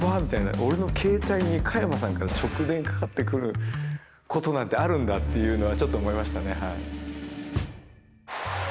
俺の携帯に加山さんから直電かかってくることなんてあるんだっていうのはちょっと思いましたね。